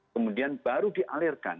kemudian baru dialirkan